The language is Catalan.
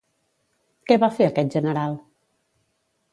Què va fer aquest general?